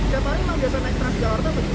siapa ini yang biasa naik transjakarta